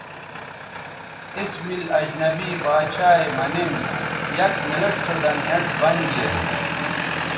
اس مِل اجنبی باڇھا یے مہ نِن یک منٹ سو دَن اینڇ بند گیرے